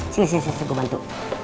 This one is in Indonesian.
sini sini gue bantu